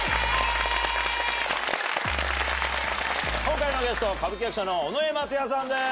今回のゲスト歌舞伎役者の尾上松也さんです。